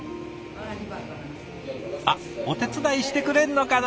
あっお手伝いしてくれるのかな？